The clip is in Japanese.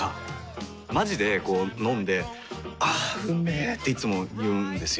まじでこう飲んで「あーうんめ」っていつも言うんですよ。